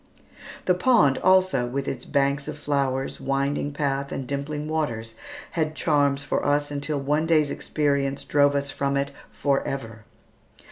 The pond also, with its banks of flowers, winding path, and dimpling waters, had charms for us until one day's experience drove us from it forever.